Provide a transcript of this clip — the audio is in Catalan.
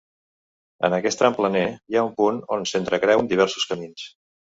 En aquest tram planer hi ha un punt on s'entrecreuen diversos camins.